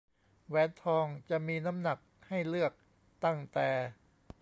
แหวนทองจะมีน้ำหนักให้เลือกตั้งแต่